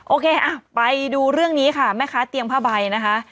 โอเคไปดูเรื่องนี้ค่ะแม่ค้าเตียงผ้าใบนะคะ